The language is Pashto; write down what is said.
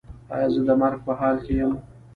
ایا زه د مرګ په حال کې یم؟